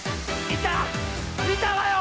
いたわよ！